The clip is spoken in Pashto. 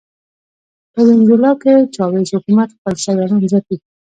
په وینزویلا کې د چاوېز حکومت خپل سیالان ځپي.